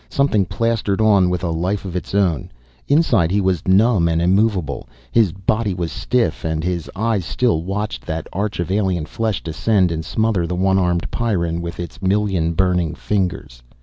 Something plastered on with a life of its own. Inside he was numb and immovable. His body was stiff as his eyes still watched that arch of alien flesh descend and smother the one armed Pyrran with its million burning fingers.